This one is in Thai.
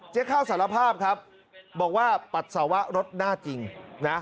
ข้าวสารภาพครับบอกว่าปัสสาวะรถหน้าจริงนะ